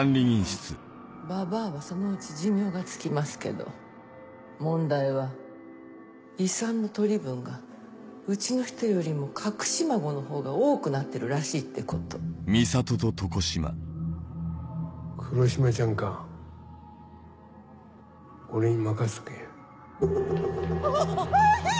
ばばあはそのうち寿命が尽きますけど問題は遺産の取り分がうちの人よりも隠し孫のほうが多くなってるらしいってこと黒島ちゃんか俺に任しとけあぁ！